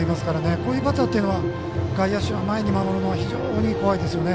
こういうバッターというのは外野手は前に守るのは非常に怖いですよね。